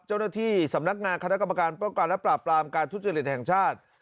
เจ้าหน้าที่สำนักงานคณะกรรมการป้องกันและปราบปรามการทุจริตแห่งชาติ